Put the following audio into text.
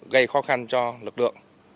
gây khó khăn cho lực lượng